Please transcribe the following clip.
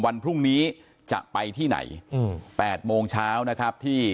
วันพรุ่งนี้จะไปที่ไหนอืม๘โมงเช้านะครับที่